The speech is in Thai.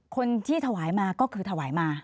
คนที่ถวายมาก็คือถวายมา